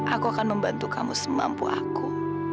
aku akan membantu kamu semampu aku